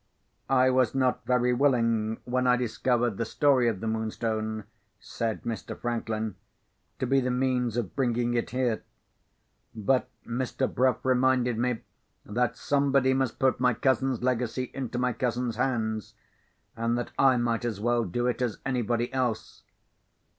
"I was not very willing, when I discovered the story of the Moonstone," said Mr. Franklin, "to be the means of bringing it here. But Mr. Bruff reminded me that somebody must put my cousin's legacy into my cousin's hands—and that I might as well do it as anybody else.